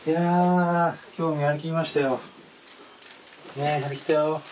ねえやりきったよ。